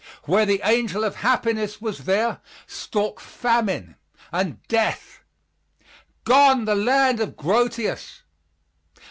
Where the angel of happiness was there stalk Famine and Death. Gone, the Land of Grotius!